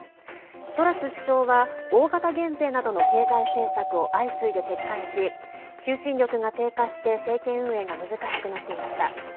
トラス首相は、大型減税などの経済政策を相次いで撤回し求心力が低下して政権運営が難しくなっていました。